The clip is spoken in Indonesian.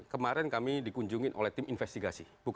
kemarin kami dikunjungi oleh tim investigasi